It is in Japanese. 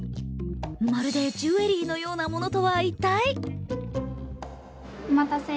まるでジュエリーのようなものとは一体？